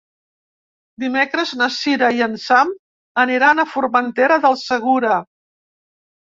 Dimecres na Cira i en Sam aniran a Formentera del Segura.